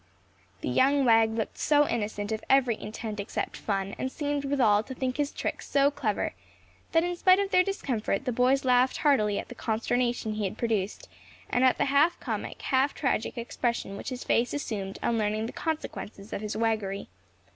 The young wag looked so innocent of every intent except fun, and seemed withal to think his trick so clever, that in spite of their discomfort, the boys laughed heartily at the consternation he had produced, and at the half comic, half tragic expression which his face assumed on learning the consequences of his waggery.